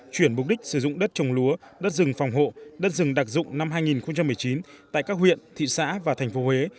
chuyển mục đích sử dụng đất trồng lúa đất rừng phòng hộ đất rừng đặc dụng năm hai nghìn một mươi chín tại các huyện thị xã và thành phố huế